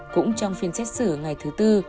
cũng trong phiên xét xử ngày thứ tư